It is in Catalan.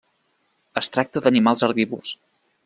Es tracta d'animals herbívors.